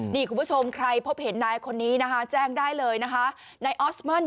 นี่คุณผู้ชมใครพบเห็นนายคนนี้นะคะแจ้งได้เลยนะคะนายออสเมิล